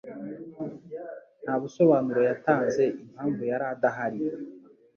Nta bisobanuro yatanze impamvu yari adahari.